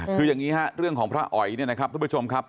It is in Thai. คืออย่างนี้ฮะเรื่องของพระอ๋อยเนี่ยนะครับทุกผู้ชมครับ